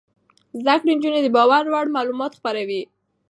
زده کړې نجونې د باور وړ معلومات خپروي.